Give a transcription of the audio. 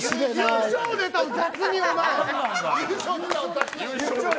優勝ネタを雑に！